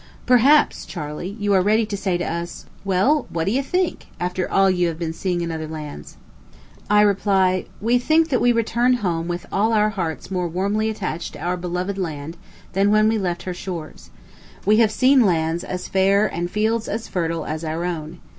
Perhaps, Charley, you are ready to say to us, "Well, what do you think, after all you have been seeing in other lands?". I reply: We think that we return home with all our hearts more warmly attached to our beloved land than when we left her shores. We have seen lands, as fair, and fields as fertile, as our own.